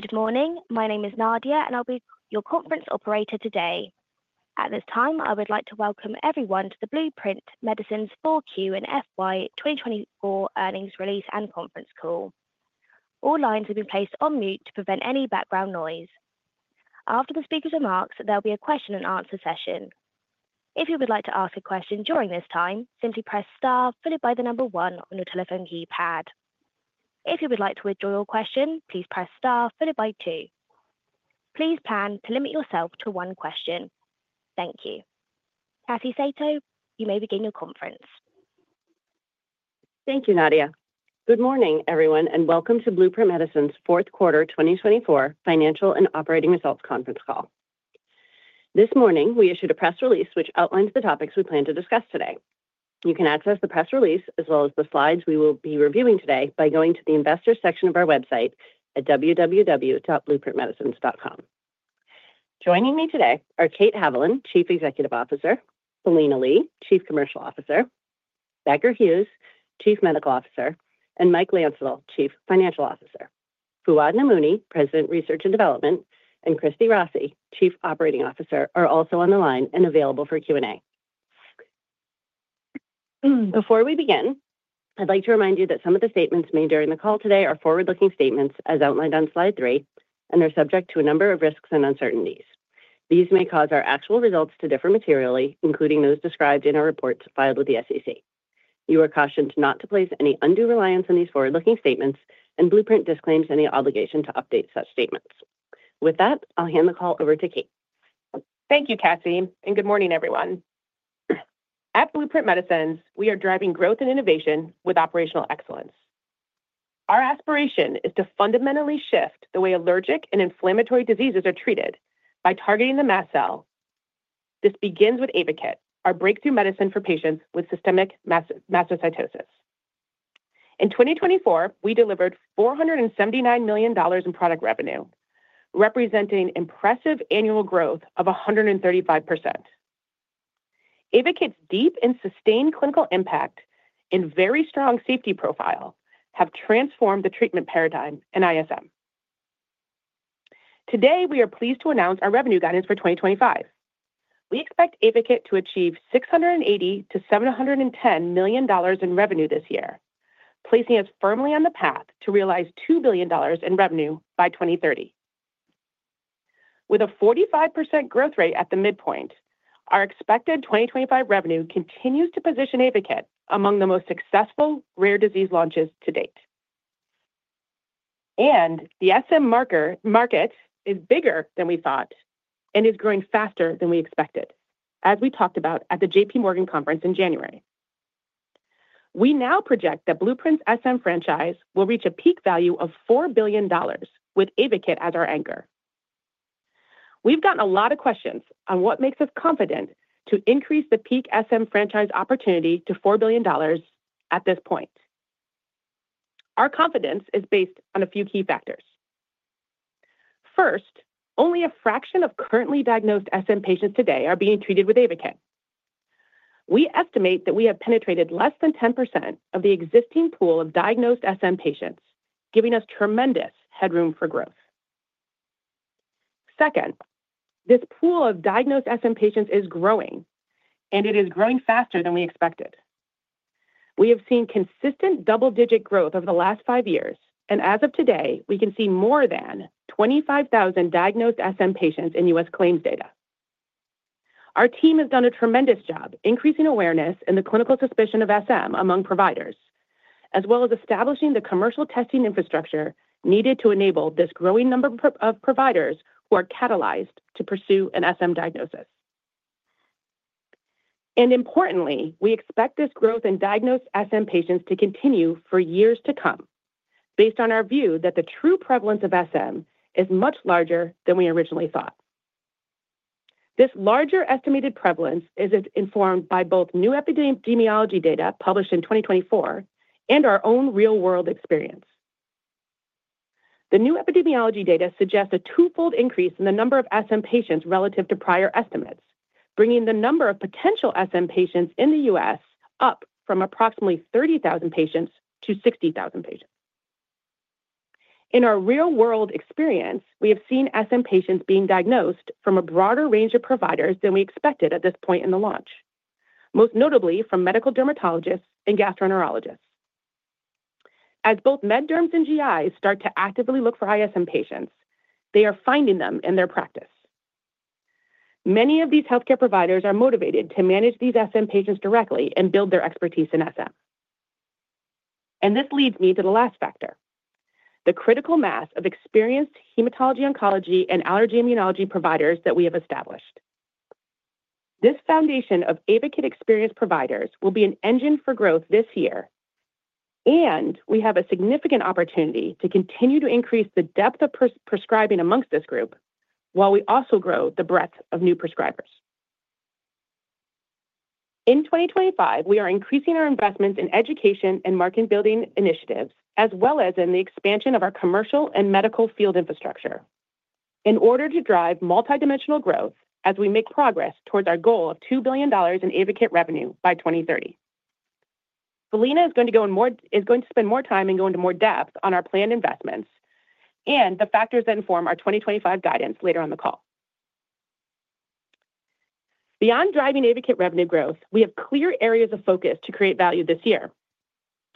Good morning. My name is Nadia, and I'll be your conference operator today. At this time, I would like to welcome everyone to the Blueprint Medicines 4Q and FY 2024 Earnings Release and Conference Call. All lines have been placed on mute to prevent any background noise. After the speaker's remarks, there'll be a question-and-answer session. If you would like to ask a question during this time, simply press star followed by the number one on your telephone keypad. If you would like to withdraw your question, please press star followed by two. Please plan to limit yourself to one question. Thank you. Cassie Saitow, you may begin your conference. Thank you, Nadia. Good morning, everyone, and welcome to Blueprint Medicines Fourth Quarter 2024 Financial and Operating Results Conference Call. This morning, we issued a press release which outlines the topics we plan to discuss today. You can access the press release as well as the slides we will be reviewing today by going to the Investor section of our website at www.blueprintmedicines.com. Joining me today are Kate Haviland, Chief Executive Officer, Philina Lee, Chief Commercial Officer, Becker Hewes, Chief Medical Officer, and Mike Landsittel, Chief Financial Officer. Fouad Namouni, President, Research and Development, and Christy Rossi, Chief Operating Officer, are also on the line and available for Q&A. Before we begin, I'd like to remind you that some of the statements made during the call today are forward-looking statements, as outlined on slide 3, and are subject to a number of risks and uncertainties. These may cause our actual results to differ materially, including those described in our reports filed with the SEC. You are cautioned not to place any undue reliance on these forward-looking statements, and Blueprint disclaims any obligation to update such statements. With that, I'll hand the call over to Kate. Thank you, Cassie, and good morning, everyone. At Blueprint Medicines, we are driving growth and innovation with operational excellence. Our aspiration is to fundamentally shift the way allergic and inflammatory diseases are treated by targeting the mast cell. This begins with AYVAKIT, our breakthrough medicine for patients with systemic mastocytosis. In 2024, we delivered $479 million in product revenue, representing impressive annual growth of 135%. AYVAKIT's deep and sustained clinical impact and very strong safety profile have transformed the treatment paradigm in ISM. Today, we are pleased to announce our revenue guidance for 2025. We expect AYVAKIT to achieve $680 million-$710 million in revenue this year, placing us firmly on the path to realize $2 billion in revenue by 2030. With a 45% growth rate at the midpoint, our expected 2025 revenue continues to position AYVAKIT among the most successful rare disease launches to date. And the SM market is bigger than we thought and is growing faster than we expected, as we talked about at the JPMorgan Conference in January. We now project that Blueprint's SM franchise will reach a peak value of $4 billion, with AYVAKIT as our anchor. We've gotten a lot of questions on what makes us confident to increase the peak SM franchise opportunity to $4 billion at this point. Our confidence is based on a few key factors. First, only a fraction of currently diagnosed SM patients today are being treated with AYVAKIT. We estimate that we have penetrated less than 10% of the existing pool of diagnosed SM patients, giving us tremendous headroom for growth. Second, this pool of diagnosed SM patients is growing, and it is growing faster than we expected. We have seen consistent double-digit growth over the last five years, and as of today, we can see more than 25,000 diagnosed SM patients in U.S. claims data. Our team has done a tremendous job increasing awareness and the clinical suspicion of SM among providers, as well as establishing the commercial testing infrastructure needed to enable this growing number of providers who are catalyzed to pursue an SM diagnosis. And importantly, we expect this growth in diagnosed SM patients to continue for years to come, based on our view that the true prevalence of SM is much larger than we originally thought. This larger estimated prevalence is informed by both new epidemiology data published in 2024 and our own real-world experience. The new epidemiology data suggests a twofold increase in the number of SM patients relative to prior estimates, bringing the number of potential SM patients in the U.S. up from approximately 30,000 patients to 60,000 patients. In our real-world experience, we have seen SM patients being diagnosed from a broader range of providers than we expected at this point in the launch, most notably from medical dermatologists and gastroenterologists. As both med derms and GIs start to actively look for ISM patients, they are finding them in their practice. Many of these healthcare providers are motivated to manage these SM patients directly and build their expertise in SM. And this leads me to the last factor: the critical mass of experienced hematology-oncology and allergy/immunology providers that we have established. This foundation of AYVAKIT experienced providers will be an engine for growth this year, and we have a significant opportunity to continue to increase the depth of prescribing amongst this group while we also grow the breadth of new prescribers. In 2025, we are increasing our investments in education and market-building initiatives, as well as in the expansion of our commercial and medical field infrastructure, in order to drive multidimensional growth as we make progress towards our goal of $2 billion in AYVAKIT revenue by 2030. Philina is going to go and more is going to spend more time and go into more depth on our planned investments and the factors that inform our 2025 guidance later on the call. Beyond driving AYVAKIT revenue growth, we have clear areas of focus to create value this year.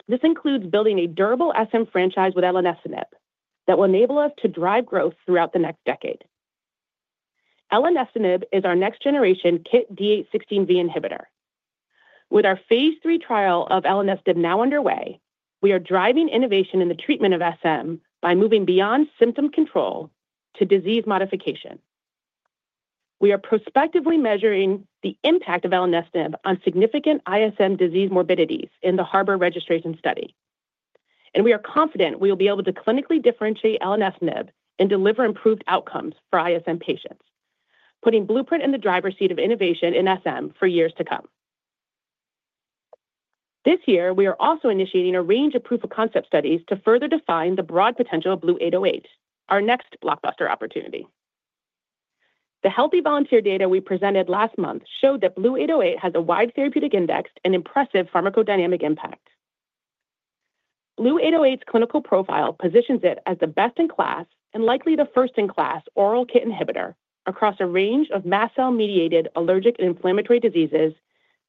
This includes building a durable SM franchise with elenestinib that will enable us to drive growth throughout the next decade. Elenestinib is our next-generation KIT D816V inhibitor. With our phase III trial of elenestinib now underway, we are driving innovation in the treatment of SM by moving beyond symptom control to disease modification. We are prospectively measuring the impact of elenestinib on significant ISM disease morbidities in the HARBOR registration study, and we are confident we will be able to clinically differentiate elenestinib and deliver improved outcomes for ISM patients, putting Blueprint in the driver's seat of innovation in SM for years to come. This year, we are also initiating a range of proof-of-concept studies to further define the broad potential of BLU-808, our next blockbuster opportunity. The healthy volunteer data we presented last month showed that BLU-808 has a wide therapeutic index and impressive pharmacodynamic impact. BLU-808's clinical profile positions it as the best in class and likely the first in class oral KIT inhibitor across a range of mast cell-mediated allergic and inflammatory diseases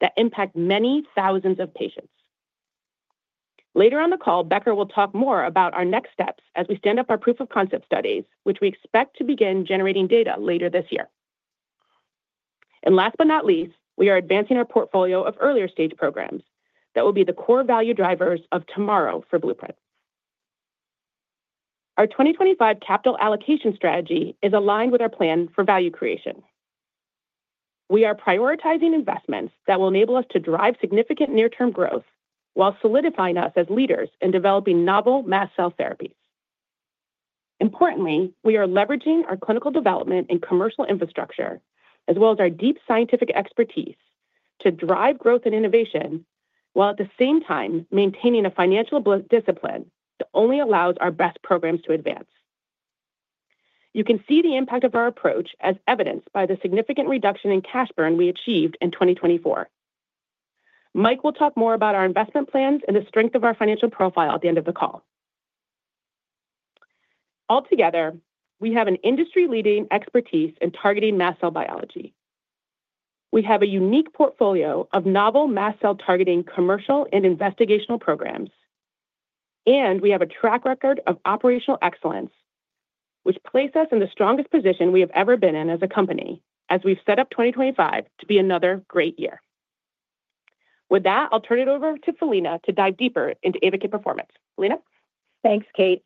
that impact many thousands of patients. Later on the call, Becker will talk more about our next steps as we stand up our proof-of-concept studies, which we expect to begin generating data later this year, and last but not least, we are advancing our portfolio of earlier stage programs that will be the core value drivers of tomorrow for Blueprint. Our 2025 capital allocation strategy is aligned with our plan for value creation. We are prioritizing investments that will enable us to drive significant near-term growth while solidifying us as leaders in developing novel mast cell therapies. Importantly, we are leveraging our clinical development and commercial infrastructure, as well as our deep scientific expertise, to drive growth and innovation while at the same time maintaining a financial discipline that only allows our best programs to advance. You can see the impact of our approach as evidenced by the significant reduction in cash burn we achieved in 2024. Mike will talk more about our investment plans and the strength of our financial profile at the end of the call. Altogether, we have an industry-leading expertise in targeting mast cell biology. We have a unique portfolio of novel mast cell-targeting commercial and investigational programs, and we have a track record of operational excellence, which places us in the strongest position we have ever been in as a company, as we've set up 2025 to be another great year. With that, I'll turn it over to Philina to dive deeper into AYVAKIT performance. Philina? Thanks, Kate.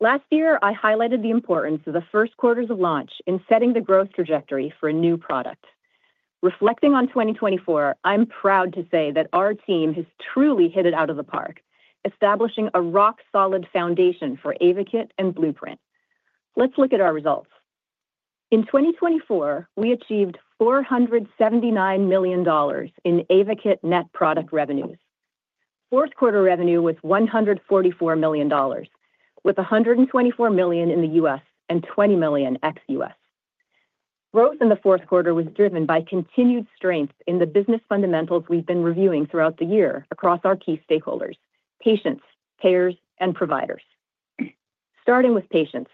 Last year, I highlighted the importance of the first quarters of launch in setting the growth trajectory for a new product. Reflecting on 2024, I'm proud to say that our team has truly hit it out of the park, establishing a rock-solid foundation for AYVAKIT and Blueprint. Let's look at our results. In 2024, we achieved $479 million in AYVAKIT net product revenues. Fourth quarter revenue was $144 million, with $124 million in the U.S. and $20 million ex-U.S. Growth in the fourth quarter was driven by continued strength in the business fundamentals we've been reviewing throughout the year across our key stakeholders: patients, payers, and providers. Starting with patients,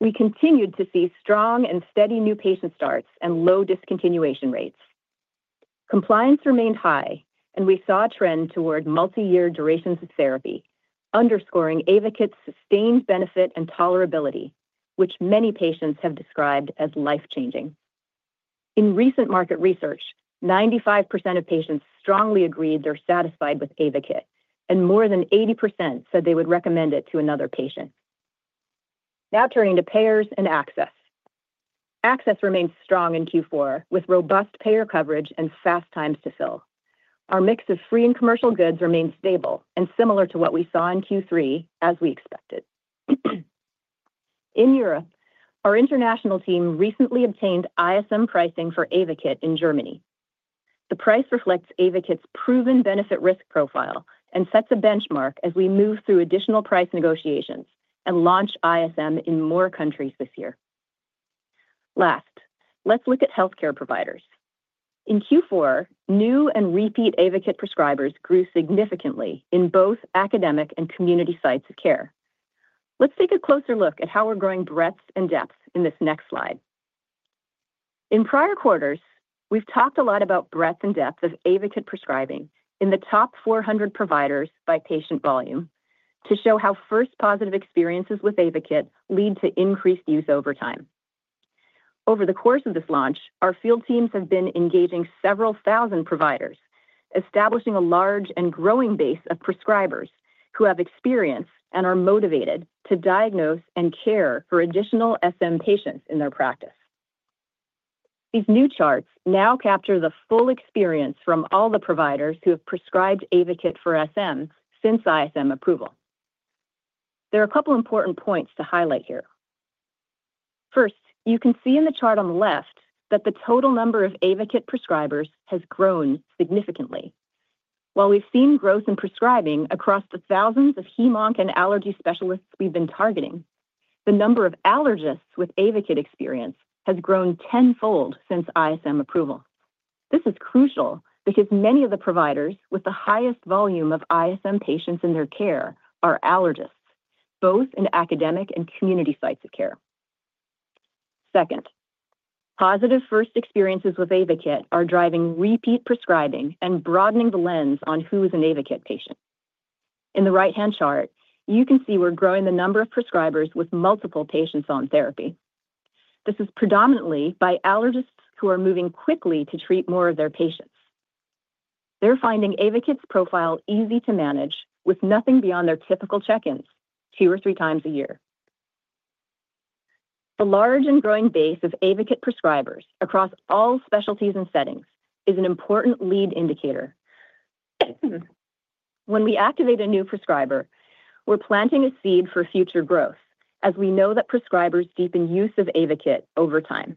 we continued to see strong and steady new patient starts and low discontinuation rates. Compliance remained high, and we saw a trend toward multi-year durations of therapy, underscoring AYVAKIT's sustained benefit and tolerability, which many patients have described as life-changing. In recent market research, 95% of patients strongly agreed they're satisfied with AYVAKIT, and more than 80% said they would recommend it to another patient. Now turning to payers and access. Access remained strong in Q4, with robust payer coverage and fast times to fill. Our mix of free and commercial goods remained stable and similar to what we saw in Q3, as we expected. In Europe, our international team recently obtained ISM pricing for AYVAKIT in Germany. The price reflects AYVAKIT's proven benefit-risk profile and sets a benchmark as we move through additional price negotiations and launch ISM in more countries this year. Last, let's look at healthcare providers. In Q4, new and repeat AYVAKIT prescribers grew significantly in both academic and community sites of care. Let's take a closer look at how we're growing breadth and depth in this next slide. In prior quarters, we've talked a lot about breadth and depth of AYVAKIT prescribing in the top 400 providers by patient volume to show how first-positive experiences with AYVAKIT lead to increased use over time. Over the course of this launch, our field teams have been engaging several thousand providers, establishing a large and growing base of prescribers who have experience and are motivated to diagnose and care for additional SM patients in their practice. These new charts now capture the full experience from all the providers who have prescribed AYVAKIT for SM since ISM approval. There are a couple of important points to highlight here. First, you can see in the chart on the left that the total number of AYVAKIT prescribers has grown significantly. While we've seen growth in prescribing across the thousands of hematology and allergy specialists we've been targeting, the number of allergists with AYVAKIT experience has grown tenfold since ISM approval. This is crucial because many of the providers with the highest volume of ISM patients in their care are allergists, both in academic and community sites of care. Second, positive first experiences with AYVAKIT are driving repeat prescribing and broadening the lens on who is an AYVAKIT patient. In the right-hand chart, you can see we're growing the number of prescribers with multiple patients on therapy. This is predominantly by allergists who are moving quickly to treat more of their patients. They're finding AYVAKIT's profile easy to manage with nothing beyond their typical check-ins two or three times a year. The large and growing base of AYVAKIT prescribers across all specialties and settings is an important lead indicator. When we activate a new prescriber, we're planting a seed for future growth, as we know that prescribers deepen use of AYVAKIT over time.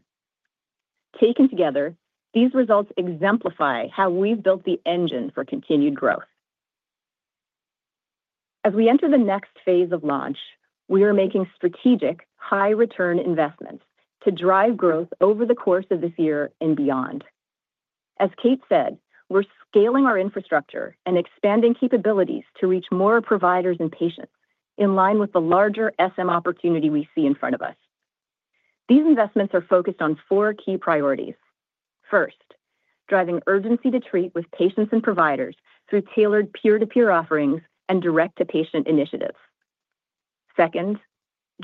Taken together, these results exemplify how we've built the engine for continued growth. As we enter the next phase of launch, we are making strategic high-return investments to drive growth over the course of this year and beyond. As Kate said, we're scaling our infrastructure and expanding capabilities to reach more providers and patients in line with the larger SM opportunity we see in front of us. These investments are focused on four key priorities. First, driving urgency to treat with patients and providers through tailored peer-to-peer offerings and direct-to-patient initiatives. Second,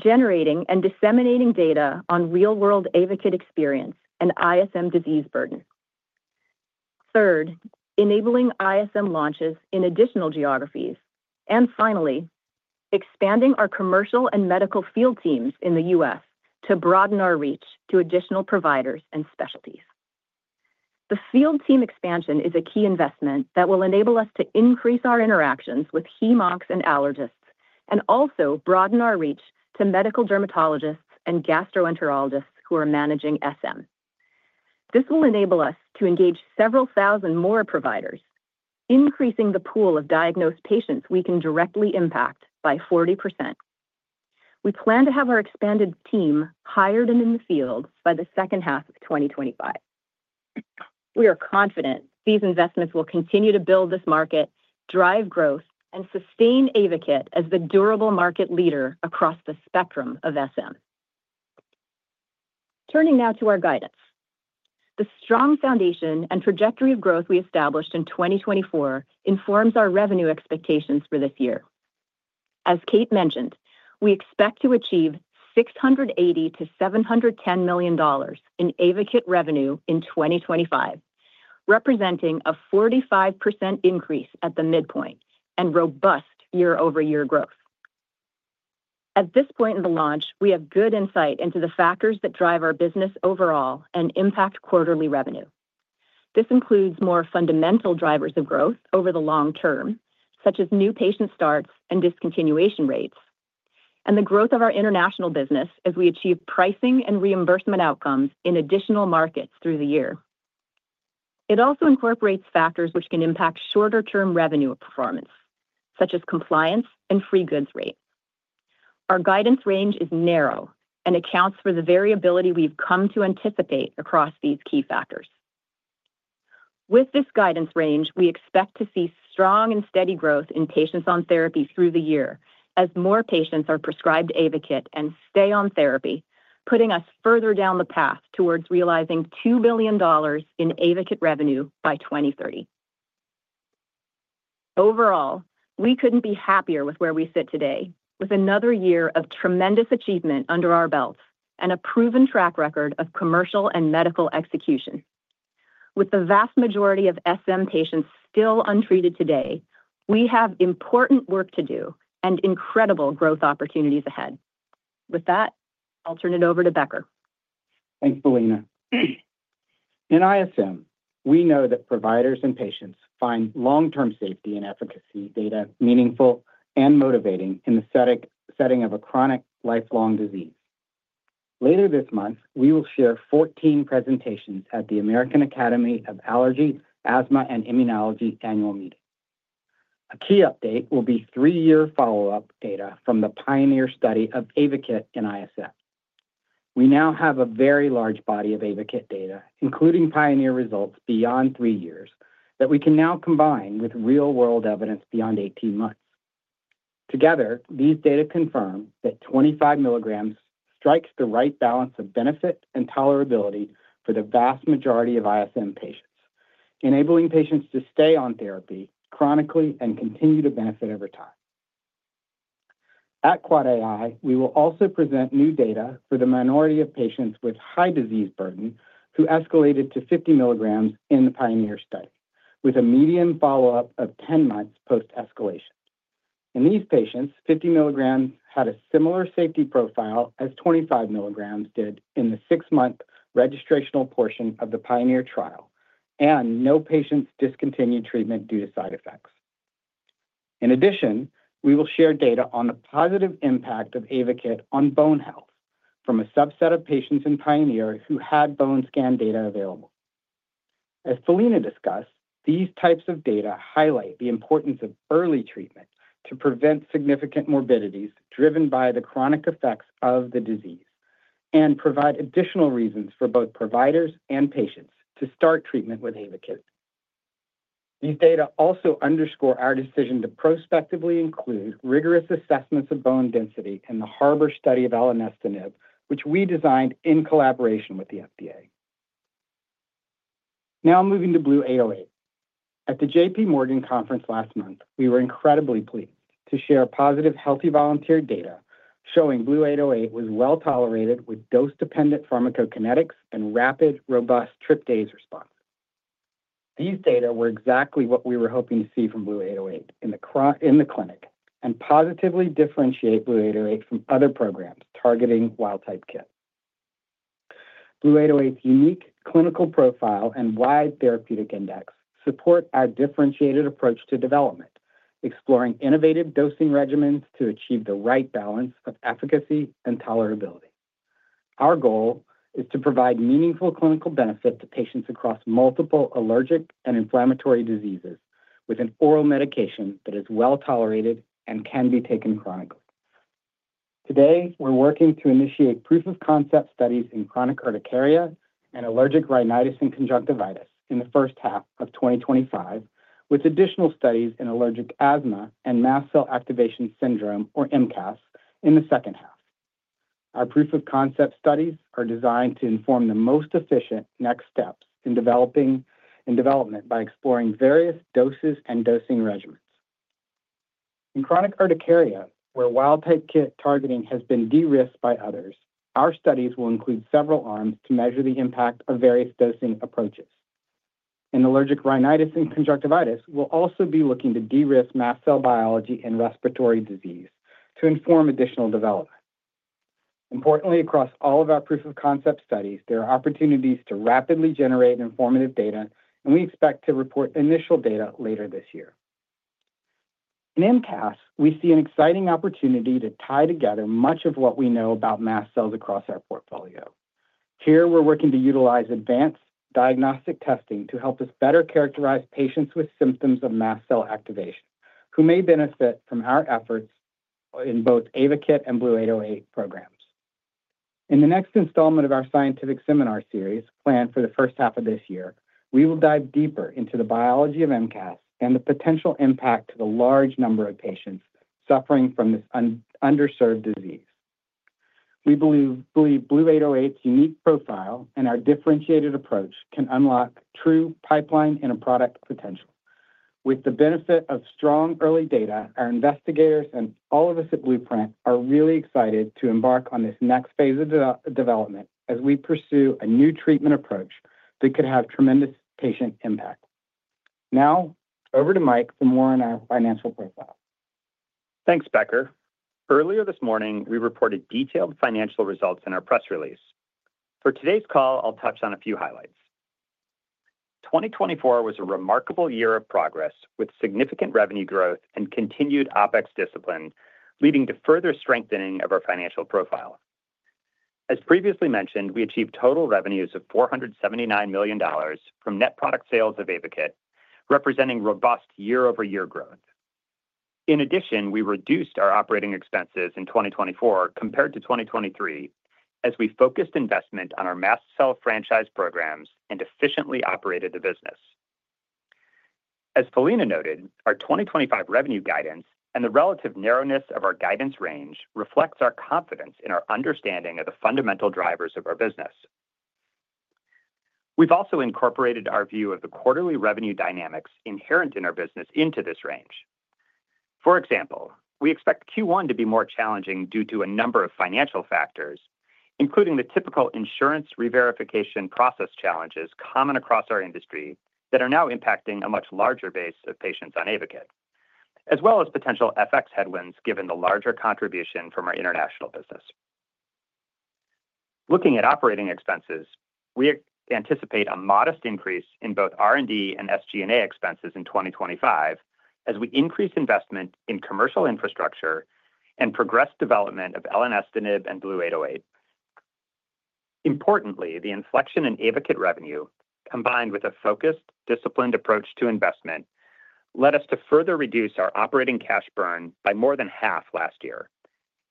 generating and disseminating data on real-world AYVAKIT experience and ISM disease burden. Third, enabling ISM launches in additional geographies. And finally, expanding our commercial and medical field teams in the U.S. to broaden our reach to additional providers and specialties. The field team expansion is a key investment that will enable us to increase our interactions with hematology-oncology and allergists and also broaden our reach to medical dermatologists and gastroenterologists who are managing SM. This will enable us to engage several thousand more providers, increasing the pool of diagnosed patients we can directly impact by 40%. We plan to have our expanded team hired and in the field by the second half of 2025. We are confident these investments will continue to build this market, drive growth, and sustain AYVAKIT as the durable market leader across the spectrum of SM. Turning now to our guidance. The strong foundation and trajectory of growth we established in 2024 informs our revenue expectations for this year. As Kate mentioned, we expect to achieve $680 million-$710 million in AYVAKIT revenue in 2025, representing a 45% increase at the midpoint and robust year-over-year growth. At this point in the launch, we have good insight into the factors that drive our business overall and impact quarterly revenue. This includes more fundamental drivers of growth over the long term, such as new patient starts and discontinuation rates, and the growth of our international business as we achieve pricing and reimbursement outcomes in additional markets through the year. It also incorporates factors which can impact shorter-term revenue performance, such as compliance and free goods rate. Our guidance range is narrow and accounts for the variability we've come to anticipate across these key factors. With this guidance range, we expect to see strong and steady growth in patients on therapy through the year as more patients are prescribed AYVAKIT and stay on therapy, putting us further down the path towards realizing $2 billion in AYVAKIT revenue by 2030. Overall, we couldn't be happier with where we sit today, with another year of tremendous achievement under our belts and a proven track record of commercial and medical execution. With the vast majority of SM patients still untreated today, we have important work to do and incredible growth opportunities ahead. With that, I'll turn it over to Becker. Thanks, Philina. In ISM, we know that providers and patients find long-term safety and efficacy data meaningful and motivating in the setting of a chronic lifelong disease. Later this month, we will share 14 presentations at the American Academy of Allergy, Asthma, and Immunology annual meeting. A key update will be three-year follow-up data from the PIONEER study of AYVAKIT in ISM. We now have a very large body of AYVAKIT data, including PIONEER results beyond three years, that we can now combine with real-world evidence beyond 18 months. Together, these data confirm that 25 mg strikes the right balance of benefit and tolerability for the vast majority of ISM patients, enabling patients to stay on therapy chronically and continue to benefit over time. At AAAAI, we will also present new data for the minority of patients with high disease burden who escalated to 50 mg in the PIONEER study, with a median follow-up of 10 months post-escalation. In these patients, 50 mg had a similar safety profile as 25 mg did in the six-month registrational portion of the PIONEER trial, and no patients discontinued treatment due to side effects. In addition, we will share data on the positive impact of AYVAKIT on bone health from a subset of patients in PIONEER who had bone scan data available. As Philina discussed, these types of data highlight the importance of early treatment to prevent significant morbidities driven by the chronic effects of the disease and provide additional reasons for both providers and patients to start treatment with AYVAKIT. These data also underscore our decision to prospectively include rigorous assessments of bone density in the Harbor study of elenestinib, which we designed in collaboration with the FDA. Now moving to BLU-808. At the JPMorgan Conference last month, we were incredibly pleased to share positive healthy volunteer data showing BLU-808 was well tolerated with dose-dependent pharmacokinetics and rapid, robust tryptase response. These data were exactly what we were hoping to see from BLU-808 in the clinic and positively differentiate BLU-808 from other programs targeting wild-type KIT. BLU-808's unique clinical profile and wide therapeutic index support our differentiated approach to development, exploring innovative dosing regimens to achieve the right balance of efficacy and tolerability. Our goal is to provide meaningful clinical benefit to patients across multiple allergic and inflammatory diseases with an oral medication that is well tolerated and can be taken chronically. Today, we're working to initiate proof of concept studies in chronic urticaria and allergic rhinitis and conjunctivitis in the first half of 2025, with additional studies in allergic asthma and mast cell activation syndrome, or MCAS, in the second half. Our proof of concept studies are designed to inform the most efficient next steps in development by exploring various doses and dosing regimens. In chronic urticaria, where wild-type KIT targeting has been de-risked by others, our studies will include several arms to measure the impact of various dosing approaches. In allergic rhinitis and conjunctivitis, we'll also be looking to de-risk mast cell biology and respiratory disease to inform additional development. Importantly, across all of our proof of concept studies, there are opportunities to rapidly generate informative data, and we expect to report initial data later this year. In MCAS, we see an exciting opportunity to tie together much of what we know about mast cells across our portfolio. Here, we're working to utilize advanced diagnostic testing to help us better characterize patients with symptoms of mast cell activation who may benefit from our efforts in both AYVAKIT and BLU-808 programs. In the next installment of our scientific seminar series planned for the first half of this year, we will dive deeper into the biology of MCAS and the potential impact to the large number of patients suffering from this underserved disease. We believe BLU-808's unique profile and our differentiated approach can unlock true pipeline and product potential. With the benefit of strong early data, our investigators and all of us at Blueprint are really excited to embark on this next phase of development as we pursue a new treatment approach that could have tremendous patient impact. Now, over to Mike for more on our financial profile. Thanks, Becker. Earlier this morning, we reported detailed financial results in our press release. For today's call, I'll touch on a few highlights. 2024 was a remarkable year of progress with significant revenue growth and continued OpEx discipline, leading to further strengthening of our financial profile. As previously mentioned, we achieved total revenues of $479 million from net product sales of AYVAKIT, representing robust year-over-year growth. In addition, we reduced our operating expenses in 2024 compared to 2023 as we focused investment on our mast cell franchise programs and efficiently operated the business. As Philina noted, our 2025 revenue guidance and the relative narrowness of our guidance range reflects our confidence in our understanding of the fundamental drivers of our business. We've also incorporated our view of the quarterly revenue dynamics inherent in our business into this range. For example, we expect Q1 to be more challenging due to a number of financial factors, including the typical insurance re-verification process challenges common across our industry that are now impacting a much larger base of patients on AYVAKIT, as well as potential FX headwinds given the larger contribution from our international business. Looking at operating expenses, we anticipate a modest increase in both R&D and SG&A expenses in 2025 as we increase investment in commercial infrastructure and progress development of elenestinib and BLU-808. Importantly, the inflection in AYVAKIT revenue, combined with a focused, disciplined approach to investment, led us to further reduce our operating cash burn by more than half last year.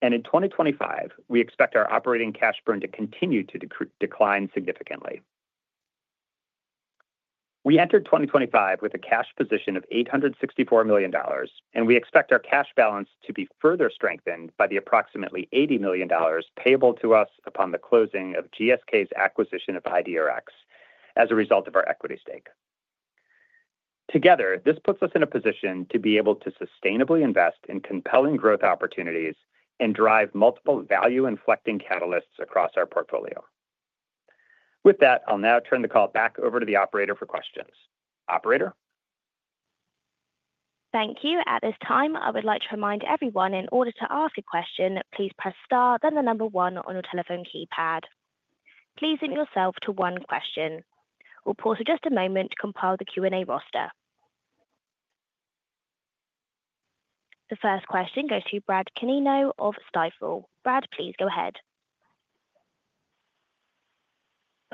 And in 2025, we expect our operating cash burn to continue to decline significantly. We entered 2025 with a cash position of $864 million, and we expect our cash balance to be further strengthened by the approximately $80 million payable to us upon the closing of GSK's acquisition of IDRx as a result of our equity stake. Together, this puts us in a position to be able to sustainably invest in compelling growth opportunities and drive multiple value-inflecting catalysts across our portfolio. With that, I'll now turn the call back over to the operator for questions. Operator? Thank you. At this time, I would like to remind everyone in order to ask a question, please press star, then the number one on your telephone keypad. Please limit yourself to one question. We'll pause for just a moment to compile the Q&A roster. The first question goes to Brad Canino of Stifel. Brad, please go ahead.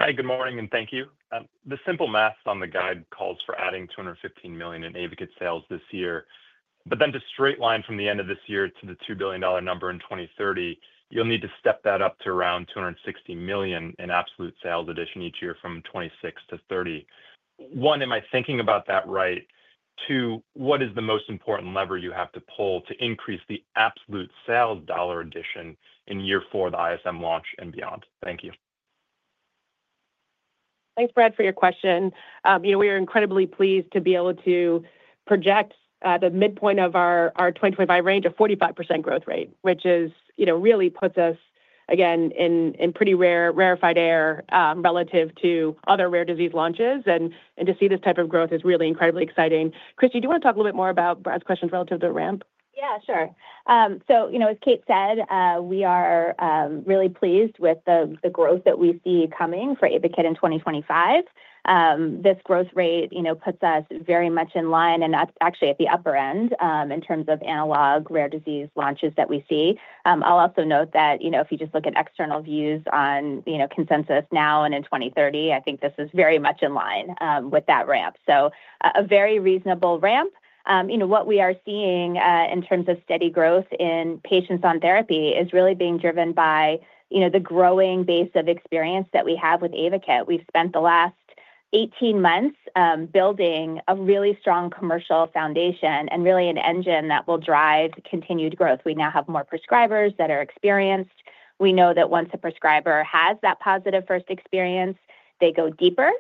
Hi, good morning, and thank you. The simple math on the guide calls for adding $215 million in AYVAKIT sales this year. But then to straight line from the end of this year to the $2 billion number in 2030, you'll need to step that up to around $260 million in absolute sales addition each year from 2026-2030. One, am I thinking about that right? Two, what is the most important lever you have to pull to increase the absolute sales dollar addition in year four of the ISM launch and beyond? Thank you. Thanks, Brad, for your question. We are incredibly pleased to be able to project the midpoint of our 2025 range of 45% growth rate, which really puts us, again, in pretty rarefied air relative to other rare disease launches, and to see this type of growth is really incredibly exciting. Christy, do you want to talk a little bit more about Brad's question relative to the ramp? Yeah, sure. So as Kate said, we are really pleased with the growth that we see coming for AYVAKIT in 2025. This growth rate puts us very much in line, and that's actually at the upper end in terms of analog rare disease launches that we see. I'll also note that if you just look at external views on consensus now and in 2030, I think this is very much in line with that ramp, so a very reasonable ramp. What we are seeing in terms of steady growth in patients on therapy is really being driven by the growing base of experience that we have with AYVAKIT. We've spent the last 18 months building a really strong commercial foundation and really an engine that will drive continued growth. We now have more prescribers that are experienced. We know that once a prescriber has that positive first experience, they go deeper.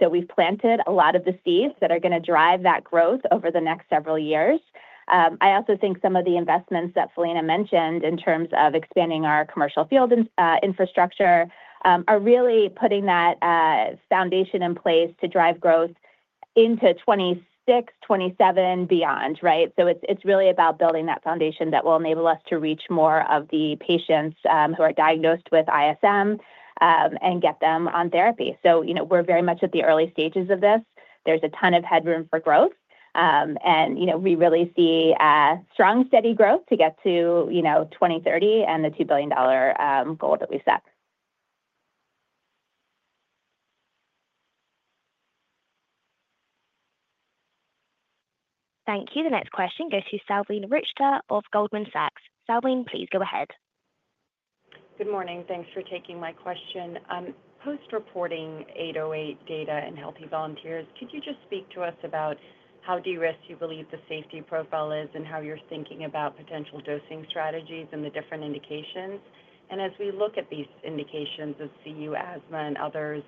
So we've planted a lot of the seeds that are going to drive that growth over the next several years. I also think some of the investments that Philina mentioned in terms of expanding our commercial field infrastructure are really putting that foundation in place to drive growth into 2026, 2027, beyond. So it's really about building that foundation that will enable us to reach more of the patients who are diagnosed with ISM and get them on therapy. So we're very much at the early stages of this. There's a ton of headroom for growth. And we really see strong, steady growth to get to 2030 and the $2 billion goal that we set. Thank you. The next question goes to Salveen Richter of Goldman Sachs. Salveen, please go ahead. Good morning. Thanks for taking my question. Post-reporting BLU-808 data and healthy volunteers, could you just speak to us about how de-risked you believe the safety profile is and how you're thinking about potential dosing strategies and the different indications, and as we look at these indications of CU asthma and others,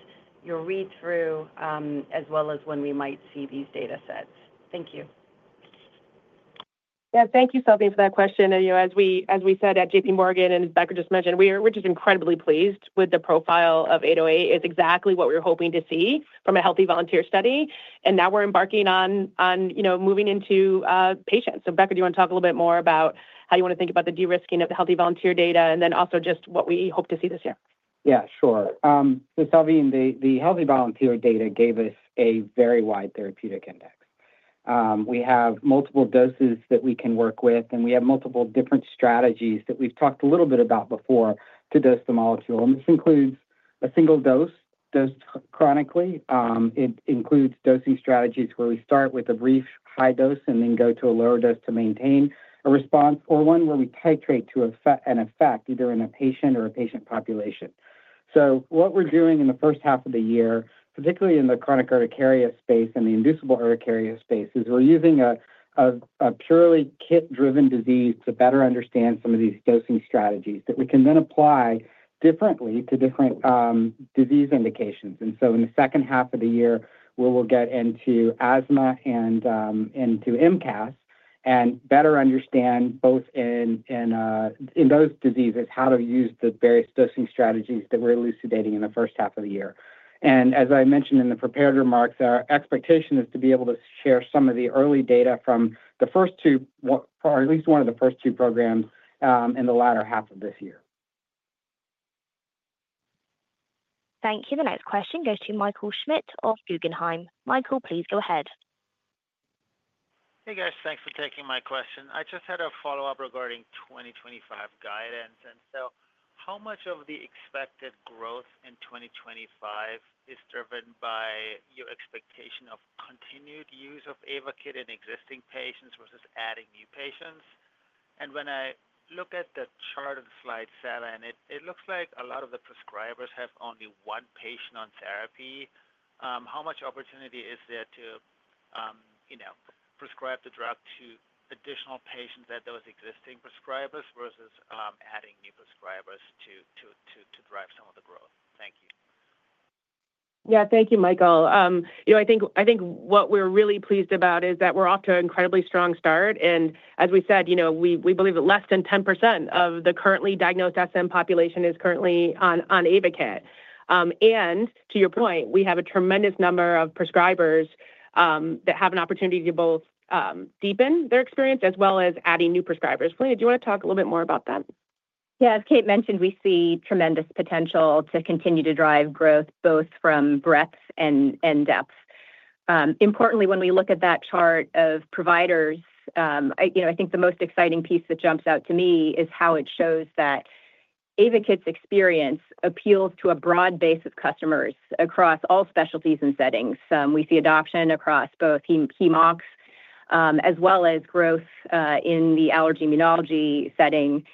your read-through as well as when we might see these data sets. Thank you. Yeah, thank you, Salveen, for that question. As we said at JPMorgan, and as Becker just mentioned, we're just incredibly pleased with the profile of 808. It's exactly what we were hoping to see from a healthy volunteer study. And now we're embarking on moving into patients. So Becker, do you want to talk a little bit more about how you want to think about the de-risking of the healthy volunteer data and then also just what we hope to see this year. Yeah, sure. So Salveen, the healthy volunteer data gave us a very wide therapeutic index. We have multiple doses that we can work with, and we have multiple different strategies that we've talked a little bit about before to dose the molecule. And this includes a single dose dosed chronically. It includes dosing strategies where we start with a brief high dose and then go to a lower dose to maintain a response or one where we titrate to an effect either in a patient or a patient population. So what we're doing in the first half of the year, particularly in the chronic urticaria space and the inducible urticaria space, is we're using a purely KIT-driven disease to better understand some of these dosing strategies that we can then apply differently to different disease indications. And so in the second half of the year, we will get into asthma and into MCAS and better understand both in those diseases how to use the various dosing strategies that we're elucidating in the first half of the year. And as I mentioned in the prepared remarks, our expectation is to be able to share some of the early data from the first two, or at least one of the first two programs in the latter half of this year. Thank you. The next question goes to Michael Schmidt of Guggenheim. Michael, please go ahead. Hey, guys. Thanks for taking my question. I just had a follow-up regarding 2025 guidance. And so how much of the expected growth in 2025 is driven by your expectation of continued use of AYVAKIT in existing patients versus adding new patients? And when I look at the chart on slide 7, it looks like a lot of the prescribers have only one patient on therapy. How much opportunity is there to prescribe the drug to additional patients at those existing prescribers versus adding new prescribers to drive some of the growth? Thank you. Yeah, thank you, Michael. I think what we're really pleased about is that we're off to an incredibly strong start. And as we said, we believe that less than 10% of the currently diagnosed SM population is currently on AYVAKIT. And to your point, we have a tremendous number of prescribers that have an opportunity to both deepen their experience as well as adding new prescribers. Philina, do you want to talk a little bit more about that? Yeah. As Kate mentioned, we see tremendous potential to continue to drive growth both from breadth and depth. Importantly, when we look at that chart of providers, I think the most exciting piece that jumps out to me is how it shows that AYVAKIT's experience appeals to a broad base of customers across all specialties and settings. We see adoption across both hem-onc as well as growth in the allergy/immunology setting.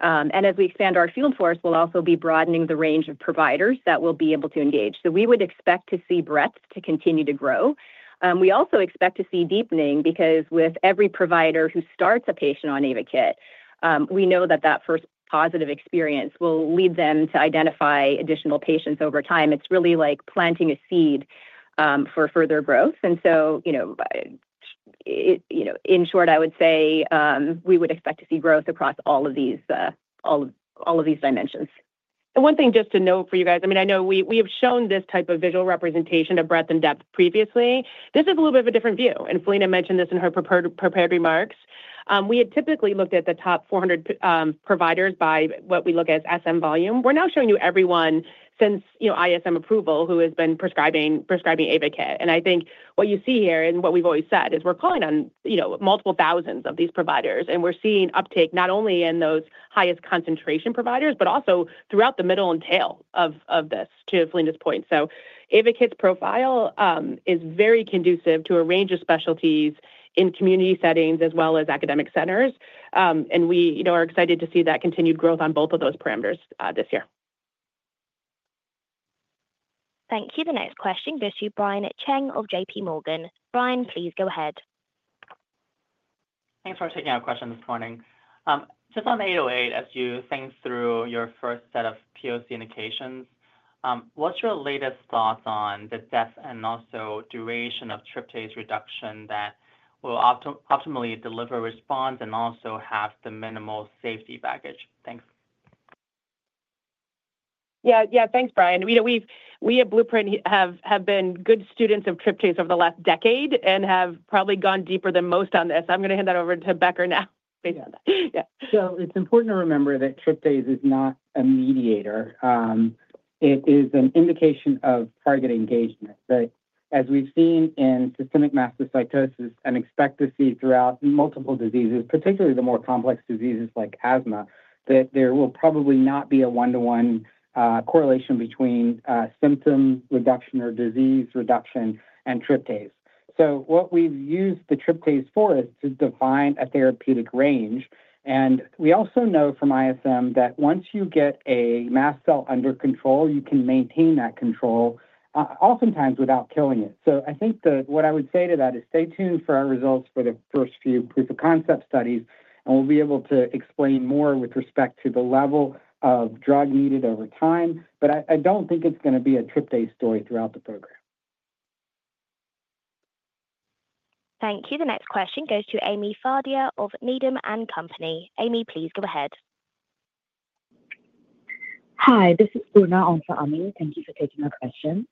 And as we expand our field force, we'll also be broadening the range of providers that we'll be able to engage. So we would expect to see breadth to continue to grow. We also expect to see deepening because with every provider who starts a patient on AYVAKIT, we know that that first positive experience will lead them to identify additional patients over time. It's really like planting a seed for further growth. And so in short, I would say we would expect to see growth across all of these dimensions. One thing just to note for you guys, I mean, I know we have shown this type of visual representation of breadth and depth previously. This is a little bit of a different view. Philina mentioned this in her prepared remarks. We had typically looked at the top 400 providers by what we look as SM volume. We're now showing you everyone since ISM approval who has been prescribing AYVAKIT. I think what you see here and what we've always said is we're calling on multiple thousands of these providers. We're seeing uptake not only in those highest concentration providers, but also throughout the middle and tail of this, to Philina's point. AYVAKIT's profile is very conducive to a range of specialties in community settings as well as academic centers. We are excited to see that continued growth on both of those parameters this year. Thank you. The next question goes to Brian Cheng of JPMorgan. Brian, please go ahead. Thanks for taking our question this morning. Just on 808, as you think through your first set of POC indications, what's your latest thoughts on the depth and also duration of tryptase reduction that will optimally deliver response and also have the minimal safety baggage? Thanks. Yeah, yeah, thanks, Brian. We at Blueprint have been good students of tryptase over the last decade and have probably gone deeper than most on this. I'm going to hand that over to Becker now based on that. Yeah. It's important to remember that tryptase is not a mediator. It is an indication of target engagement. But as we've seen in systemic mastocytosis and expect to see throughout multiple diseases, particularly the more complex diseases like asthma, that there will probably not be a one-to-one correlation between symptom reduction or disease reduction and tryptase. So what we've used the tryptase for is to define a therapeutic range. And we also know from ISM that once you get a mast cell under control, you can maintain that control oftentimes without killing it. So I think what I would say to that is stay tuned for our results for the first few proof of concept studies, and we'll be able to explain more with respect to the level of drug needed over time. But I don't think it's going to be a tryptase story throughout the program. Thank you. The next question goes to Ami Fadia of Needham & Company. Ami, please go ahead. Hi, this is Poorna for Ami thank you for taking our question.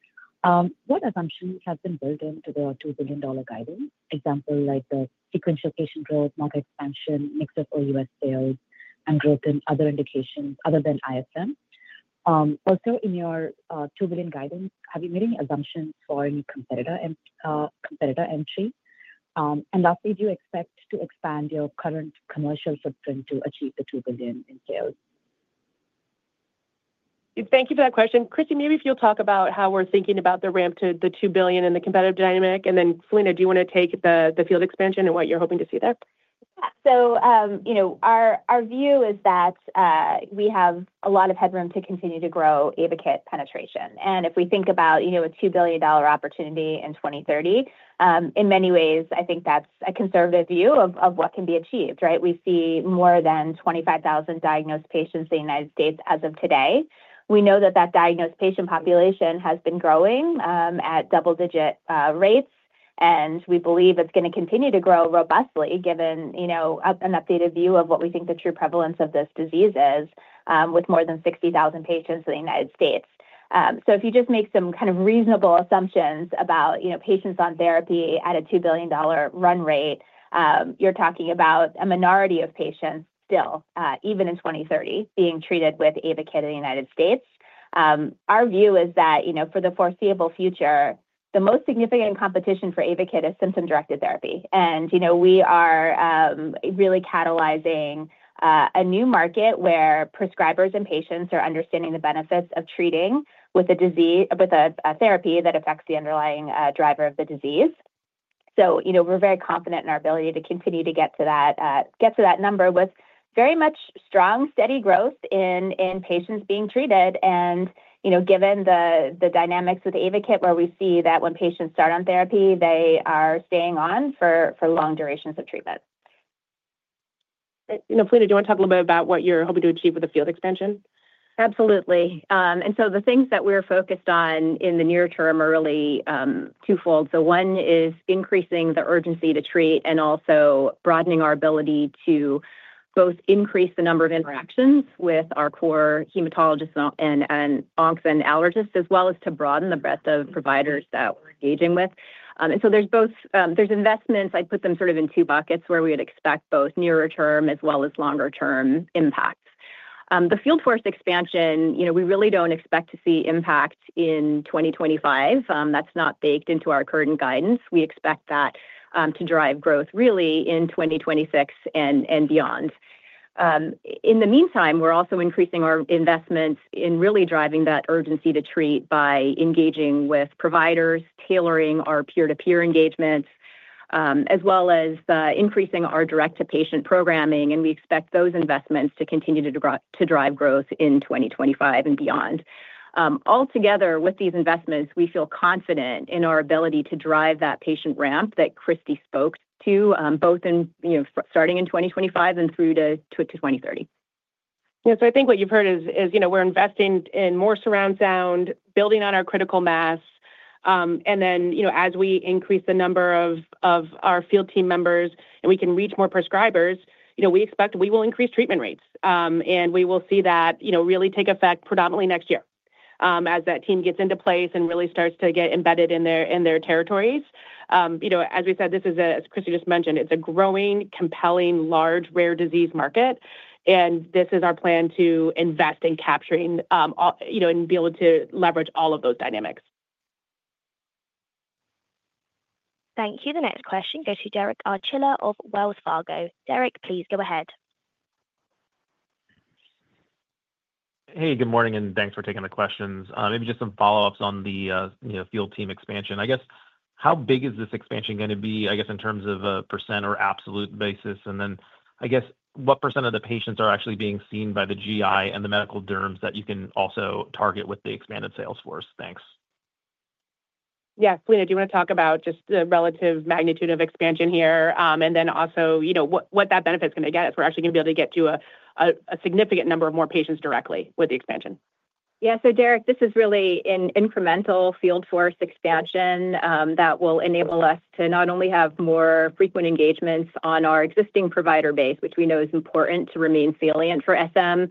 What assumptions have been built into the $2 billion guidance? Example like the sequential patient growth, market expansion, mix of O.U.S. sales, and growth in other indications other than ISM. Also, in your $2 billion guidance, have you made any assumptions for any competitor entry? And lastly, do you expect to expand your current commercial footprint to achieve the $2 billion in sales? Thank you for that question. Christy, maybe if you'll talk about how we're thinking about the ramp to the $2 billion and the competitive dynamic. And then Philina, do you want to take the field expansion and what you're hoping to see there? Yeah, so our view is that we have a lot of headroom to continue to grow AYVAKIT penetration, and if we think about a $2 billion opportunity in 2030, in many ways, I think that's a conservative view of what can be achieved. We see more than 25,000 diagnosed patients in the United States as of today. We know that that diagnosed patient population has been growing at double-digit rates, and we believe it's going to continue to grow robustly given an updated view of what we think the true prevalence of this disease is with more than 60,000 patients in the United States, so if you just make some kind of reasonable assumptions about patients on therapy at a $2 billion run rate, you're talking about a minority of patients still, even in 2030, being treated with AYVAKIT in the United States. Our view is that for the foreseeable future, the most significant competition for AYVAKIT is symptom-directed therapy. And we are really catalyzing a new market where prescribers and patients are understanding the benefits of treating with a therapy that affects the underlying driver of the disease. So we're very confident in our ability to continue to get to that number with very much strong, steady growth in patients being treated. And given the dynamics with AYVAKIT, where we see that when patients start on therapy, they are staying on for long durations of treatment. Philina, do you want to talk a little bit about what you're hoping to achieve with the field expansion? Absolutely, and so the things that we're focused on in the near term are really twofold. So one is increasing the urgency to treat and also broadening our ability to both increase the number of interactions with our core hematologists and oncologists and allergists as well as to broaden the breadth of providers that we're engaging with. And so there's investments. I'd put them sort of in two buckets where we would expect both nearer term as well as longer-term impacts. The field force expansion, we really don't expect to see impact in 2025. That's not baked into our current guidance. We expect that to drive growth really in 2026 and beyond. In the meantime, we're also increasing our investments in really driving that urgency to treat by engaging with providers, tailoring our peer-to-peer engagements, as well as increasing our direct-to-patient programming. And we expect those investments to continue to drive growth in 2025 and beyond. Altogether, with these investments, we feel confident in our ability to drive that patient ramp that Christy spoke to, both starting in 2025 and through to 2030. Yeah. So I think what you've heard is we're investing in more surround sound, building on our critical mass. And then as we increase the number of our field team members and we can reach more prescribers, we expect we will increase treatment rates. And we will see that really take effect predominantly next year as that team gets into place and really starts to get embedded in their territories. As we said, this is, as Christy just mentioned, it's a growing, compelling, large, rare disease market. And this is our plan to invest in capturing and be able to leverage all of those dynamics. Thank you. The next question goes to Derek Archila of Wells Fargo. Derek, please go ahead. Hey, good morning, and thanks for taking the questions. Maybe just some follow-ups on the field team expansion. I guess, how big is this expansion going to be, I guess, in terms of a percent or absolute basis? And then I guess, what percent of the patients are actually being seen by the GI and the medical derms that you can also target with the expanded sales force? Thanks. Yeah. Philina, do you want to talk about just the relative magnitude of expansion here? And then also what that benefit's going to get us? We're actually going to be able to get to a significant number of more patients directly with the expansion. Yeah. So Derek, this is really an incremental field force expansion that will enable us to not only have more frequent engagements on our existing provider base, which we know is important to remain salient for SM,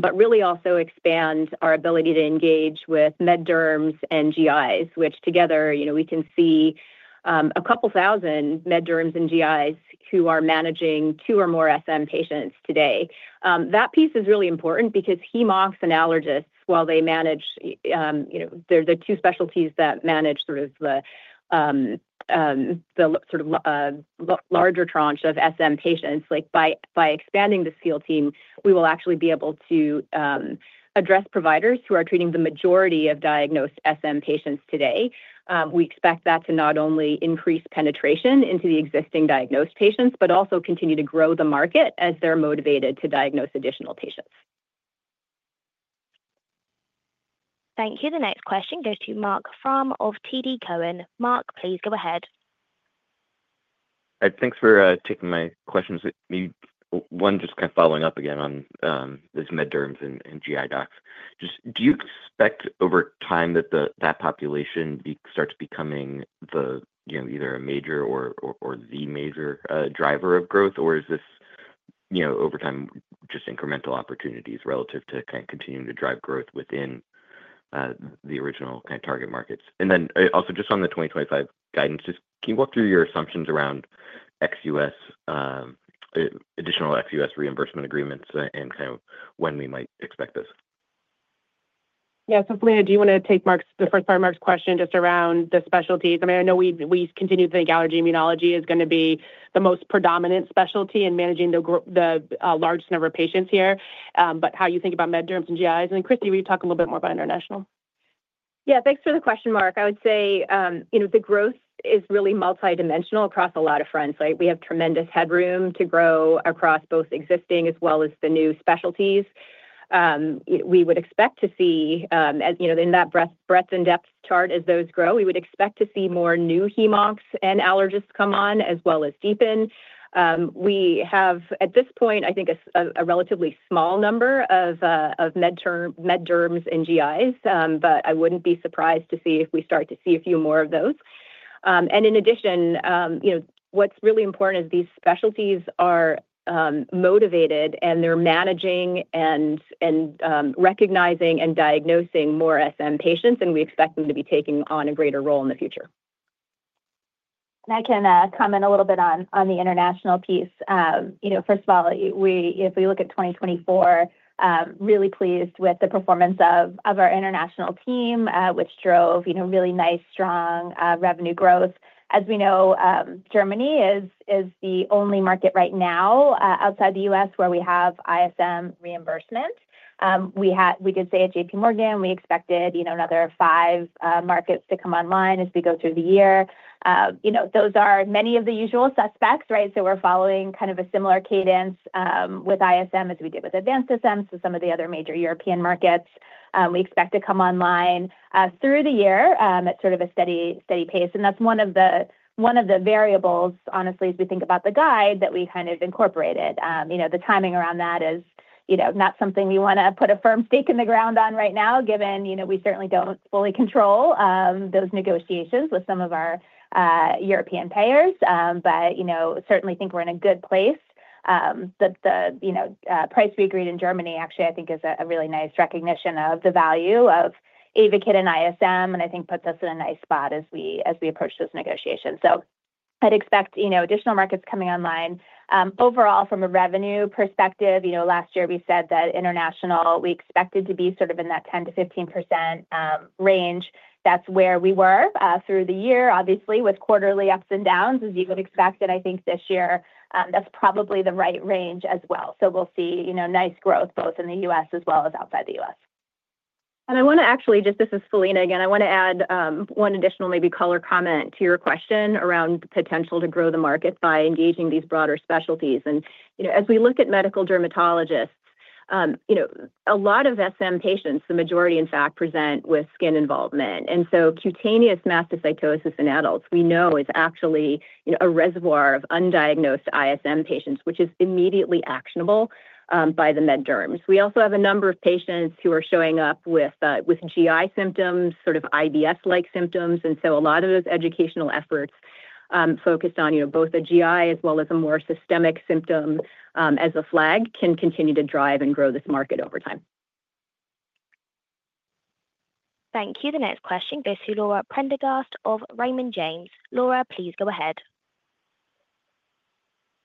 but really also expand our ability to engage with med derms and GIs, which together we can see a couple thousand med derms and GIs who are managing two or more SM patients today. That piece is really important because hem-onc and allergists, while they manage the two specialties that manage sort of the larger tranche of SM patients, by expanding the field team, we will actually be able to address providers who are treating the majority of diagnosed SM patients today. We expect that to not only increase penetration into the existing diagnosed patients, but also continue to grow the market as they're motivated to diagnose additional patients. Thank you. The next question goes to Marc Frahm of TD Cowen. Marc, please go ahead. Thanks for taking my questions. One just kind of following up again on this med derms and GI docs. Do you expect over time that that population starts becoming either a major or the major driver of growth? Or is this over time just incremental opportunities relative to kind of continuing to drive growth within the original kind of target markets? And then also just on the 2025 guidance, just can you walk through your assumptions around additional ex-U.S. reimbursement agreements and kind of when we might expect this? Yeah. So Philina, do you want to take the first part of Marc's question just around the specialties? I mean, I know we continue to think allergy/immunology is going to be the most predominant specialty in managing the largest number of patients here. But how you think about med derms and GIs? And then Christy, will you talk a little bit more about international? Yeah. Thanks for the question, Marc. I would say the growth is really multidimensional across a lot of fronts. We have tremendous headroom to grow across both existing as well as the new specialties. We would expect to see, in that breadth and depth chart, as those grow, we would expect to see more new hem-onc and allergists come on as well as deepen. We have, at this point, I think, a relatively small number of med derms and GIs, but I wouldn't be surprised to see if we start to see a few more of those. In addition, what's really important is these specialties are motivated and they're managing and recognizing and diagnosing more SM patients, and we expect them to be taking on a greater role in the future. And I can comment a little bit on the international piece. First of all, if we look at 2024, really pleased with the performance of our international team, which drove really nice, strong revenue growth. As we know, Germany is the only market right now outside the U.S. where we have ISM reimbursement. We did say at JPMorgan, we expected another five markets to come online as we go through the year. Those are many of the usual suspects, right? So we're following kind of a similar cadence with ISM as we did with Advanced SM, so some of the other major European markets. We expect to come online through the year at sort of a steady pace. And that's one of the variables, honestly, as we think about the guide that we kind of incorporated. The timing around that is not something we want to put a firm stake in the ground on right now, given we certainly don't fully control those negotiations with some of our European payers. But certainly think we're in a good place. The price we agreed in Germany, actually, I think, is a really nice recognition of the value of AYVAKIT and ISM, and I think puts us in a nice spot as we approach those negotiations. So I'd expect additional markets coming online. Overall, from a revenue perspective, last year we said that international, we expected to be sort of in that 10%-15% range. That's where we were through the year, obviously, with quarterly ups and downs, as you would expect, and I think this year, that's probably the right range as well. So we'll see nice growth both in the U.S. as well as outside the U.S. I want to actually just, this is Philina again. I want to add one additional maybe color comment to your question around the potential to grow the market by engaging these broader specialties. As we look at medical dermatologists, a lot of SM patients, the majority, in fact, present with skin involvement. So cutaneous mastocytosis in adults, we know, is actually a reservoir of undiagnosed ISM patients, which is immediately actionable by the med derms. We also have a number of patients who are showing up with GI symptoms, sort of IBS-like symptoms. So a lot of those educational efforts focused on both a GI as well as a more systemic symptom as a flag can continue to drive and grow this market over time. Thank you. The next question goes to Laura Prendergast of Raymond James. Laura, please go ahead.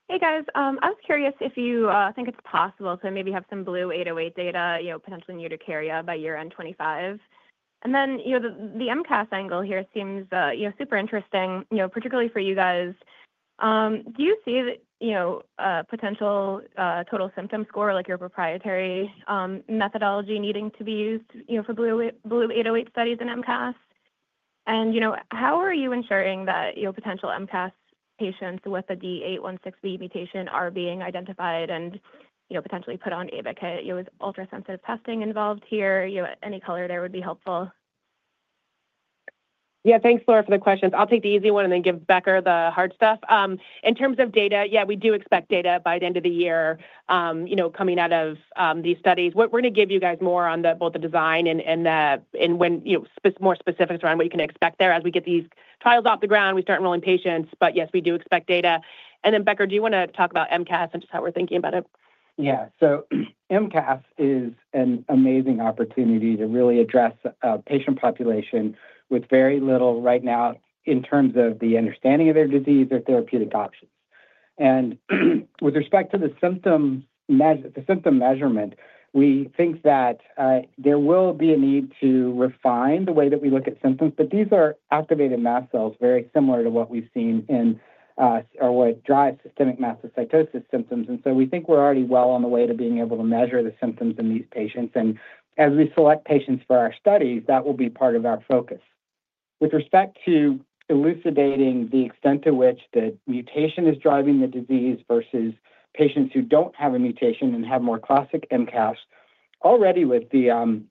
Hey, guys. I was curious if you think it's possible to maybe have some BLU-808 data, potentially in urticaria, by year-end 2025? And then the MCAS angle here seems super interesting, particularly for you guys. Do you see potential total symptom score, like your proprietary methodology, needing to be used for BLU-808 studies in MCAS? And how are you ensuring that potential MCAS patients with a D816V mutation are being identified and potentially put on AYVAKIT? Is ultrasensitive testing involved here? Any color there would be helpful. Yeah. Thanks, Laura, for the questions. I'll take the easy one and then give Becker the hard stuff. In terms of data, yeah, we do expect data by the end of the year coming out of these studies. We're going to give you guys more on both the design and more specifics around what you can expect there as we get these trials off the ground. We start enrolling patients, but yes, we do expect data. And then Becker, do you want to talk about MCAS and just how we're thinking about it? Yeah. So MCAS is an amazing opportunity to really address a patient population with very little right now in terms of the understanding of their disease or therapeutic options. And with respect to the symptom measurement, we think that there will be a need to refine the way that we look at symptoms. But these are activated mast cells, very similar to what we've seen or what drives systemic mastocytosis symptoms. And so we think we're already well on the way to being able to measure the symptoms in these patients. And as we select patients for our studies, that will be part of our focus. With respect to elucidating the extent to which the mutation is driving the disease versus patients who don't have a mutation and have more classic MCAS, already with the Droplet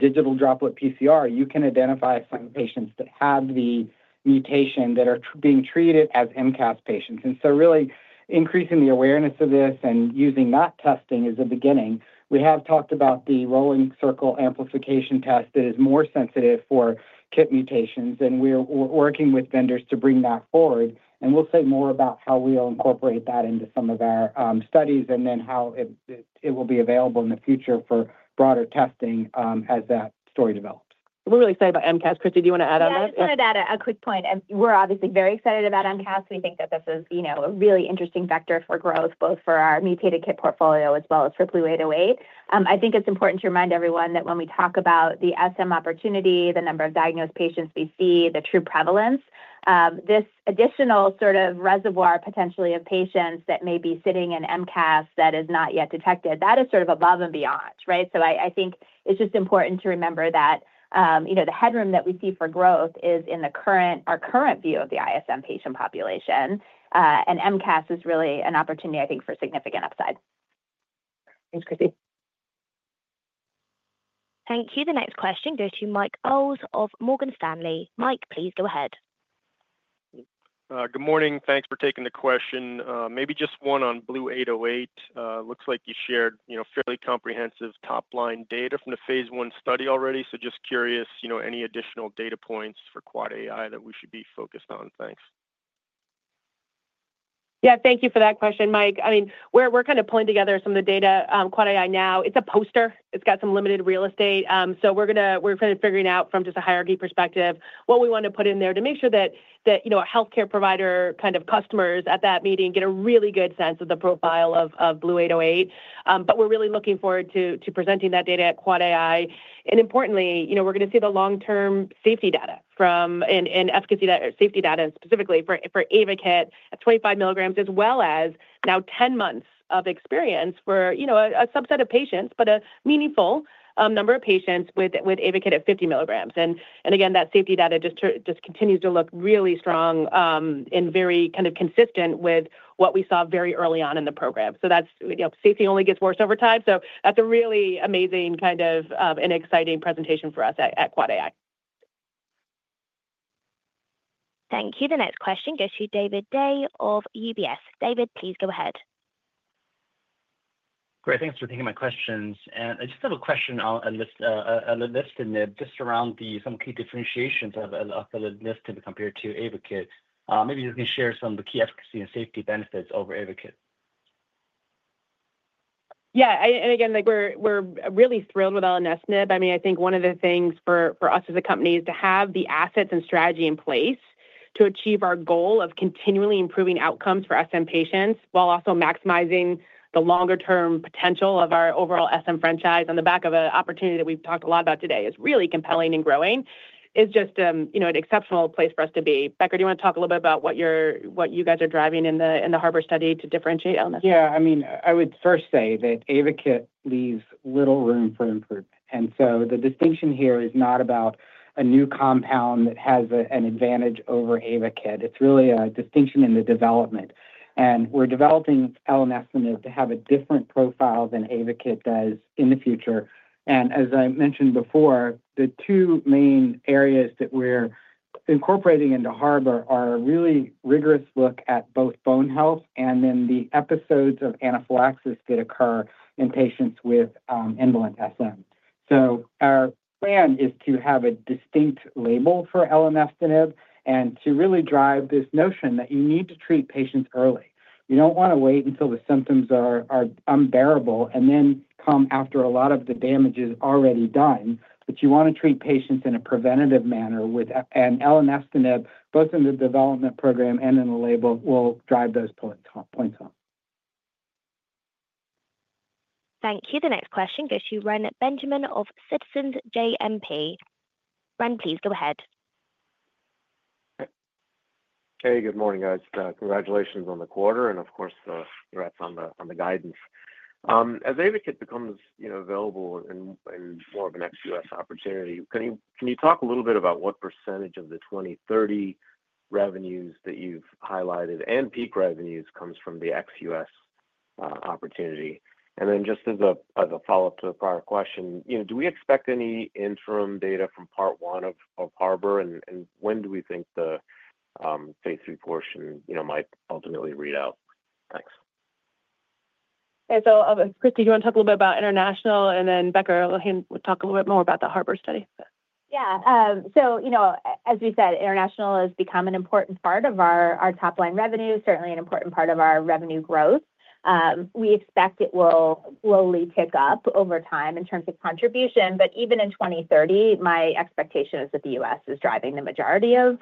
Digital PCR, you can identify some patients that have the mutation that are being treated as MCAS patients. And so really increasing the awareness of this and using that testing is the beginning. We have talked about the rolling circle amplification test that is more sensitive for KIT mutations. And we're working with vendors to bring that forward. And we'll say more about how we'll incorporate that into some of our studies and then how it will be available in the future for broader testing as that story develops. We're really excited about MCAS. Christy, do you want to add on that? Yeah. I wanted to add a quick point. And we're obviously very excited about MCAS. We think that this is a really interesting vector for growth, both for our mutated KIT portfolio as well as for BLU-808. I think it's important to remind everyone that when we talk about the SM opportunity. The number of diagnosed patients we see, the true prevalence, this additional sort of reservoir potentially of patients that may be sitting in MCAS that is not yet detected, that is sort of above and beyond, right? So I think it's just important to remember that the headroom that we see for growth is in our current view of the ISM patient population. And MCAS is really an opportunity, I think, for significant upside. Thank you. The next question goes to Michael Ulz of Morgan Stanley. Mike, please go ahead. Good morning. Thanks for taking the question. Maybe just one on BLU-808. Looks like you shared fairly comprehensive top-line data from the phase I study already. So just curious, any additional data points for AAAAI that we should be focused on? Thanks. Yeah. Thank you for that question, Mike. I mean, we're kind of pulling together some of the data. AAAAI now, it's a poster. It's got some limited real estate. So we're kind of figuring out from just a hierarchy perspective what we want to put in there to make sure that healthcare provider kind of customers at that meeting get a really good sense of the profile of BLU-808. But we're really looking forward to presenting that data at AAAAI. And importantly, we're going to see the long-term safety data and efficacy safety data specifically for AYVAKIT at 25 mg, as well as now 10 months of experience for a subset of patients, but a meaningful number of patients with AYVAKIT at 50 mg. And again, that safety data just continues to look really strong and very kind of consistent with what we saw very early on in the program. So safety only gets worse over time. So that's a really amazing kind of an exciting presentation for us at AAAAI. Thank you. The next question goes to David Dai of UBS. David, please go ahead. Great. Thanks for taking my questions, and I just have a question on elenestinib just around some key differentiations of elenestinib compared to AYVAKIT. Maybe you can share some of the key efficacy and safety benefits over AYVAKIT. Yeah. And again, we're really thrilled with elenestinib. I mean, I think one of the things for us as a company is to have the assets and strategy in place to achieve our goal of continually improving outcomes for SM patients while also maximizing the longer-term potential of our overall SM franchise on the back of an opportunity that we've talked a lot about today, which is really compelling and growing. It's just an exceptional place for us to be. Becker, do you want to talk a little bit about what you guys are driving in the Harbor study to differentiate on that]? Yeah. I mean, I would first say that AYVAKIT leaves little room for improvement. And so the distinction here is not about a new compound that has an advantage over AYVAKIT. It's really a distinction in the development. And we're developing elenestinib to have a different profile than AYVAKIT does in the future. And as I mentioned before, the two main areas that we're incorporating into Harbor are a really rigorous look at both bone health and then the episodes of anaphylaxis that occur in patients with indolent SM. So our plan is to have a distinct label for elenestinib and to really drive this notion that you need to treat patients early. You don't want to wait until the symptoms are unbearable and then come after a lot of the damage is already done. But you want to treat patients in a preventative manner. Elenestinib, both in the development program and in the label, will drive those points home. Thank you. The next question goes to Reni Benjamin of Citizens JMP. Ren, please go ahead. Okay. Good morning, guys. Congratulations on the quarter and, of course, the raise on the guidance. As AYVAKIT becomes available in more of an ex-U.S. opportunity, can you talk a little bit about what percentage of the 2030 revenues that you've highlighted and peak revenues comes from the ex-U.S. opportunity? And then just as a follow-up to the prior question, do we expect any interim data from part one of Harbor? And when do we think the phase III portion might ultimately read out? Thanks. And so, Christy, do you want to talk a little bit about international? And then Becker will talk a little bit more about the Harbor study. Yeah. So as we said, international has become an important part of our top-line revenue, certainly an important part of our revenue growth. We expect it will slowly tick up over time in terms of contribution. But even in 2030, my expectation is that the U.S. is driving the majority of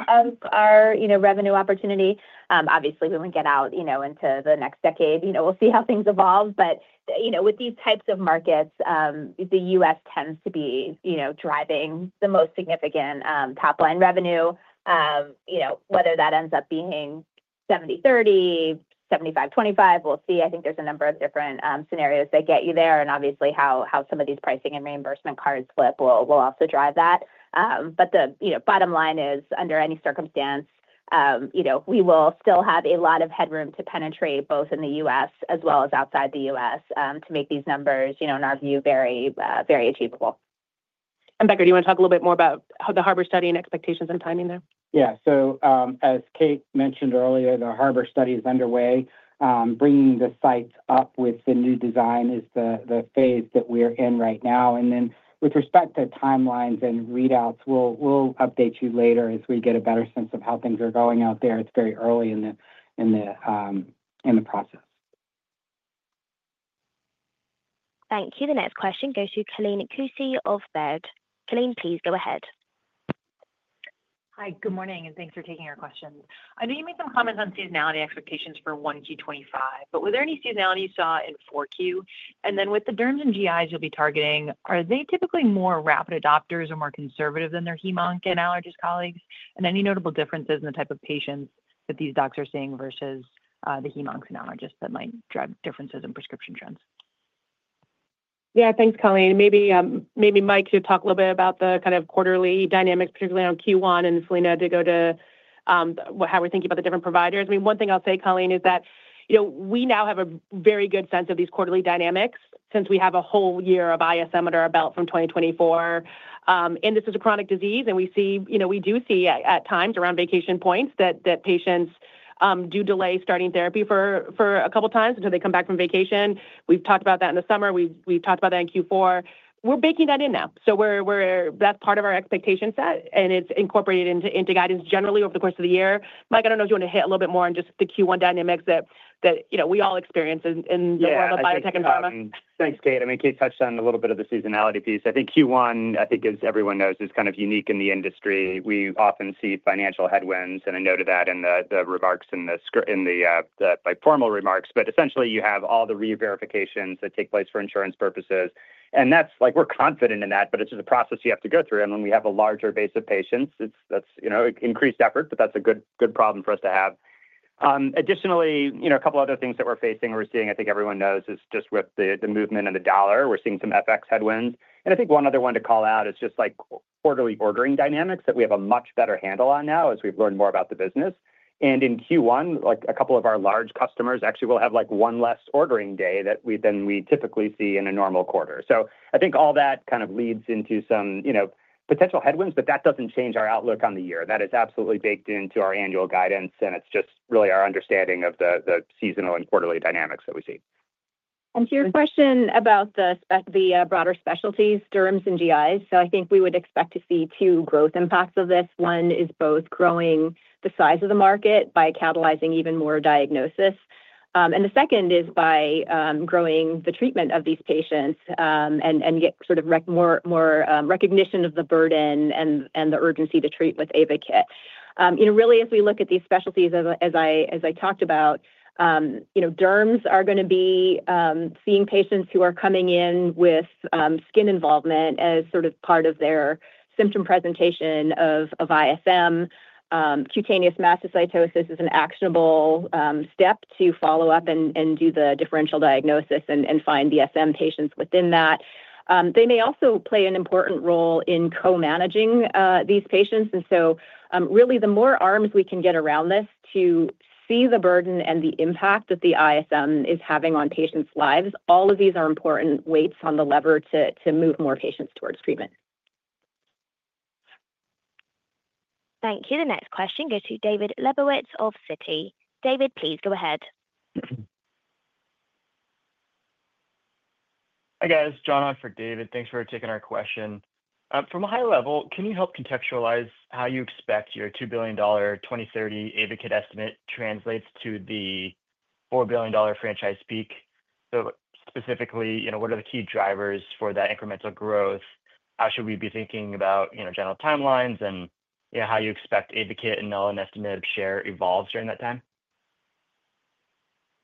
our revenue opportunity. Obviously, we won't get out into the next decade. We'll see how things evolve. But with these types of markets, the U.S. tends to be driving the most significant top-line revenue, whether that ends up being 70/30, 75/25. We'll see. I think there's a number of different scenarios that get you there. And obviously, how some of these pricing and reimbursement cards flip will also drive that. But the bottom line is, under any circumstance, we will still have a lot of headroom to penetrate both in the U.S. as well as outside the U.S. to make these numbers, in our view, very achievable. Becker, do you want to talk a little bit more about the Harbor study and expectations and timing there? Yeah. So as Kate mentioned earlier, the Harbor study is underway. Bringing the sites up with the new design is the phase that we're in right now. And then with respect to timelines and readouts, we'll update you later as we get a better sense of how things are going out there. It's very early in the process. Thank you. The next question goes to Colleen Kusy of Baird. Colleen, please go ahead. Hi, good morning, and thanks for taking our questions. I know you made some comments on seasonality expectations for 1Q 2025, but were there any seasonalities you saw in 4Q, and then with the derms and GIs you'll be targeting, are they typically more rapid adopters or more conservative than their hem-onc and allergist colleagues, and any notable differences in the type of patients that these docs are seeing versus the hem-onc and allergist that might drive differences in prescription trends? Yeah. Thanks, Colleen. Maybe Mike should talk a little bit about the kind of quarterly dynamics, particularly on Q1 and Philina to go to how we're thinking about the different providers. I mean, one thing I'll say, Colleen, is that we now have a very good sense of these quarterly dynamics since we have a whole year of ISM under our belt from 2024. This is a chronic disease. We do see at times around vacation points that patients do delay starting therapy for a couple of times until they come back from vacation. We've talked about that in the summer. We've talked about that in Q4. We're baking that in now. So that's part of our expectation set. It's incorporated into guidance generally over the course of the year. Mike, I don't know if you want to hit a little bit more on just the Q1 dynamics that we all experience in the world of biotech and pharma. Yeah. Thanks, Kate. I mean, Kate touched on a little bit of the seasonality piece. I think Q1, as everyone knows, is kind of unique in the industry. We often see financial headwinds. And I alluded to that in the remarks and the formal remarks. But essentially, you have all the re-verifications that take place for insurance purposes. And we're confident in that, but it's just a process you have to go through. And when we have a larger base of patients, it's increased effort, but that's a good problem for us to have. Additionally, a couple of other things that we're facing or we're seeing, I think everyone knows, is just with the movement of the dollar, we're seeing some FX headwinds. And I think one other one to call out is just quarterly ordering dynamics that we have a much better handle on now as we've learned more about the business. And in Q1, a couple of our large customers actually will have one less ordering day than we typically see in a normal quarter. So I think all that kind of leads into some potential headwinds, but that doesn't change our outlook on the year. That is absolutely baked into our annual guidance. And it's just really our understanding of the seasonal and quarterly dynamics that we see. To your question about the broader specialties, derms and GIs, so I think we would expect to see two growth impacts of this. One is both growing the size of the market by catalyzing even more diagnosis. And the second is by growing the treatment of these patients and get sort of more recognition of the burden and the urgency to treat with AYVAKIT. Really, as we look at these specialties, as I talked about, derms are going to be seeing patients who are coming in with skin involvement as sort of part of their symptom presentation of ISM. Cutaneous mastocytosis is an actionable step to follow up and do the differential diagnosis and find the SM patients within that. They may also play an important role in co-managing these patients. And so really, the more arms we can get around this to see the burden and the impact that the ISM is having on patients' lives, all of these are important weights on the lever to move more patients towards treatment. Thank you. The next question goes to David Lebowitz of Citi. David, please go ahead. Hi guys. John on for David. Thanks for taking our question. From a high level, can you help contextualize how you expect your $2 billion 2030 AYVAKIT estimate translates to the $4 billion franchise peak? So specifically, what are the key drivers for that incremental growth? How should we be thinking about general timelines and how you expect AYVAKIT and elenestinib share evolves during that time?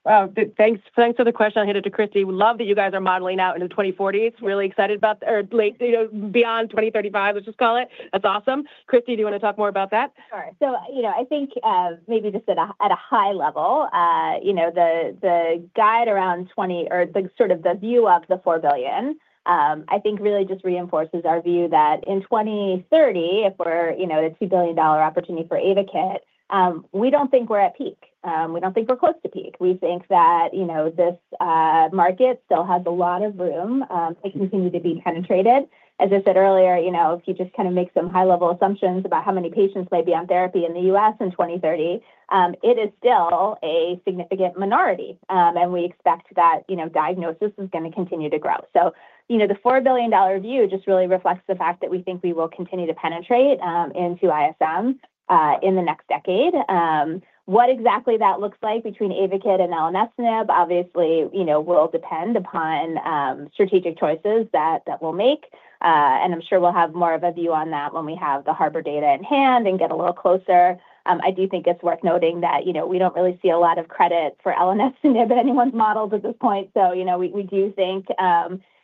Wow. Thanks for the question. I'll hand it to Christy. We love that you guys are modeling out in the 2040s. Really excited about or beyond 2035, let's just call it. That's awesome. Christy, do you want to talk more about that? Sure. So I think maybe just at a high level, the guide around 20 or sort of the view of the 4 billion, I think really just reinforces our view that in 2030, if we're at a $2 billion opportunity for AYVAKIT, we don't think we're at peak. We don't think we're close to peak. We think that this market still has a lot of room to continue to be penetrated. As I said earlier, if you just kind of make some high-level assumptions about how many patients might be on therapy in the U.S. in 2030, it is still a significant minority. And we expect that diagnosis is going to continue to grow. So the $4 billion view just really reflects the fact that we think we will continue to penetrate into ISM in the next decade. What exactly that looks like between AYVAKIT and elenestinib obviously will depend upon strategic choices that we'll make, and I'm sure we'll have more of a view on that when we have the Harbor data in hand and get a little closer. I do think it's worth noting that we don't really see a lot of credit for elenestinib in anyone's models at this point, so we do think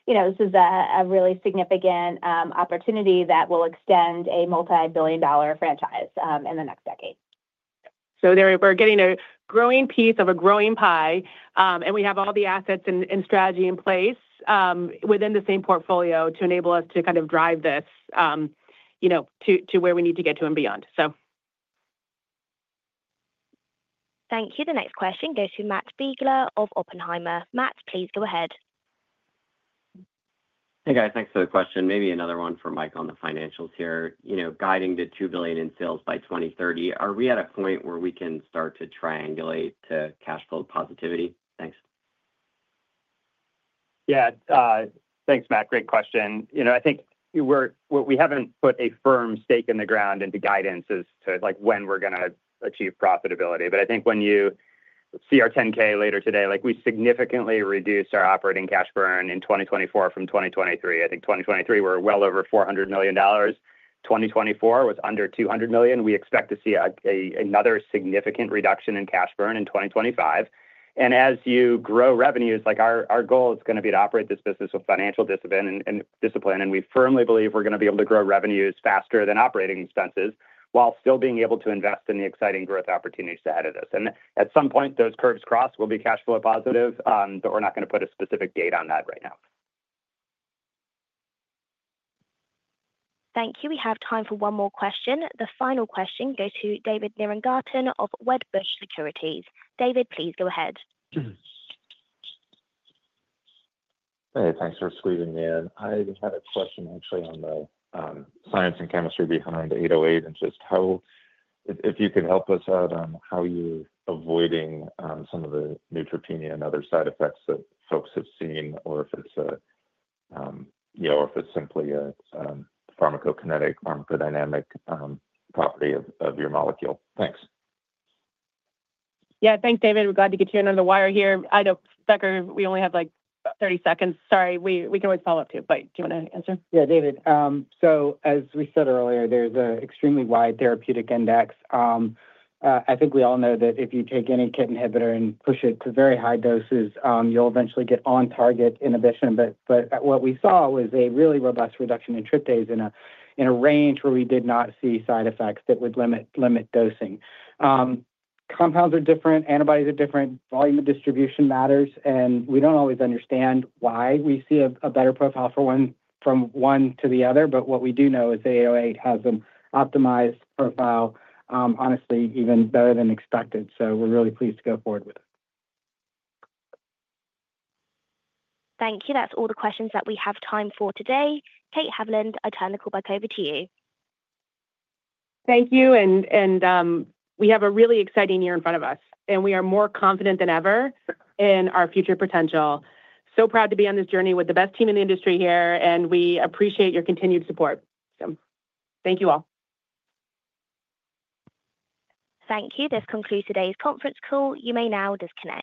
this is a really significant opportunity that will extend a multi-billion-dollar franchise in the next decade. So we're getting a growing piece of a growing pie. And we have all the assets and strategy in place within the same portfolio to enable us to kind of drive this to where we need to get to and beyond, so. Thank you. The next question goes to Matt Biegler of Oppenheimer. Matt, please go ahead. Hey guys. Thanks for the question. Maybe another one for Mike on the financials here. Guiding to $2 billion in sales by 2030, are we at a point where we can start to triangulate to cash flow positivity? Thanks. Yeah. Thanks, Matt. Great question. I think we haven't put a firm stake in the ground into guidance as to when we're going to achieve profitability. But I think when you see our 10-K later today, we significantly reduced our operating cash burn in 2024 from 2023. I think 2023, we were well over $400 million. 2024 was under $200 million. We expect to see another significant reduction in cash burn in 2025. And as you grow revenues, our goal is going to be to operate this business with financial discipline. And we firmly believe we're going to be able to grow revenues faster than operating expenses while still being able to invest in the exciting growth opportunities ahead of this. And at some point, those curves cross, we'll be cash flow positive. But we're not going to put a specific date on that right now. Thank you. We have time for one more question. The final question goes to David Nierengarten of Wedbush Securities. David, please go ahead. Hey, thanks for squeezing me in. I had a question actually on the science and chemistry behind 808 and just how, if you could help us out on how you're avoiding some of the neutropenia and other side effects that folks have seen, or if it's a, or if it's simply a pharmacokinetic, pharmacodynamic property of your molecule? Thanks. Yeah. Thanks, David. We're glad to get you on the wire here. I know, Becker, we only have like 30 seconds. Sorry. We can always follow up too, but do you want to answer? Yeah, David. So as we said earlier, there's an extremely wide therapeutic index. I think we all know that if you take any KIT inhibitor and push it to very high doses, you'll eventually get on-target inhibition. But what we saw was a really robust reduction in tryptase in a range where we did not see side effects that would limit dosing. Compounds are different. Antibodies are different. Volume of distribution matters. And we don't always understand why we see a better profile from one to the other. But what we do know is the 808 has an optimized profile, honestly, even better than expected. So we're really pleased to go forward with it. Thank you. That's all the questions that we have time for today. Kate Haviland, I turn the call back over to you. Thank you. And we have a really exciting year in front of us. And we are more confident than ever in our future potential. So proud to be on this journey with the best team in the industry here. And we appreciate your continued support. So thank you all. Thank you. This concludes today's conference call. You may now disconnect.